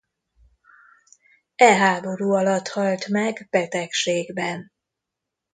E háború alatt halt meg betegségben.